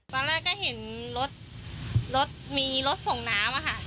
ตอนแรกก็เห็นรถรถมีรถส่งน้ำค่ะ